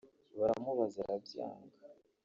baramubuza arabyanga